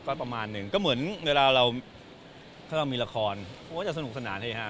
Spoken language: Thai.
ก็ประมาณหนึ่งก็เหมือนเวลาเราถ้าเรามีละครโอ้จะสนุกสนานเฮฮา